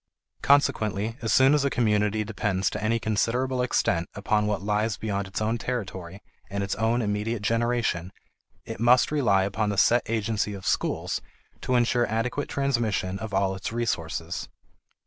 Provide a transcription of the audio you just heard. Consequently as soon as a community depends to any considerable extent upon what lies beyond its own territory and its own immediate generation, it must rely upon the set agency of schools to insure adequate transmission of all its resources.